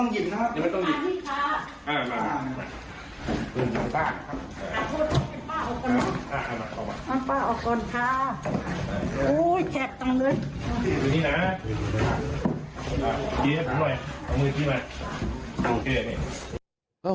กินให้ผมด้วยเอามือกินมา